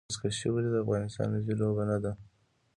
بزکشي ولې د افغانستان ملي لوبه نه ده؟